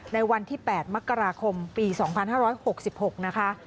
ในวันที่๘มกราคมปี๒๕๖๖นะคะ